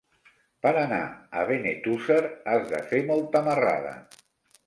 Per anar a Benetússer has de fer molta marrada.